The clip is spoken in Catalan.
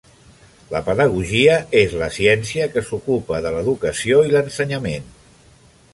La pedagogia és la ciència que s'ocupa de l'educació i l'ensenyament.